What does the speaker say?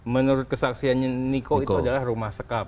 menurut kesaksiannya niko itu adalah rumah sekap